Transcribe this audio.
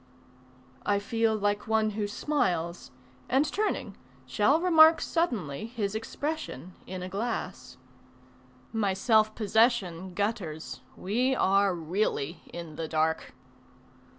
I feel like one who smiles, and turning shall remark Suddenly, his expression in a glass. My self possession gutters; we are really in the dark.